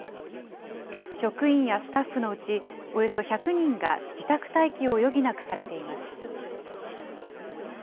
職員やスタッフのうち、およそ１００人が自宅待機を余儀なくされています。